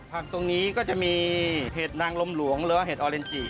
ผักตรงนี้ก็จะมีเห็ดนางลมหลวงหรือว่าเห็ดออเลนจิ